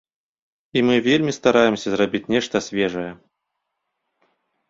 І мы вельмі стараемся зрабіць нешта свежае.